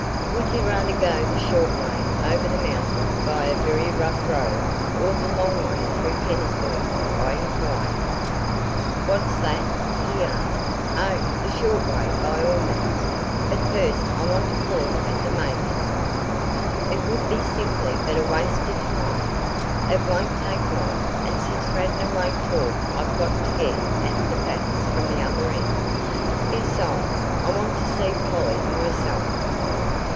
"Would you rather go the short way over the mountains by a very rough road, or the long way through Kennisburg?" I inquired. "What's that?" he asked. "Oh, the short way by all means but first I want to call at the Mathers's." "It would simply be a waste of time." "It won't take long and since Radnor won't talk I've got to get at the facts from the other end. Besides, I want to see Polly myself."